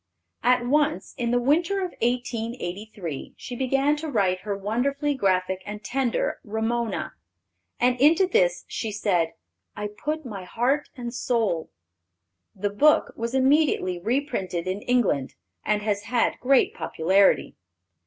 At once, in the winter of 1883, she began to write her wonderfully graphic and tender Ramona, and into this, she said, "I put my heart and soul." The book was immediately reprinted in England, and has had great popularity.